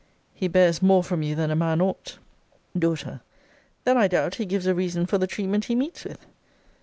He bears more from you than a man ought. D. Then, I doubt, he gives a reason for the treatment he meets with.